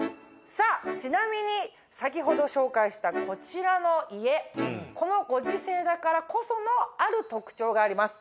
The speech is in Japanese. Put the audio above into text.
さぁちなみに先ほど紹介したこちらの家このご時世だからこそのある特徴があります。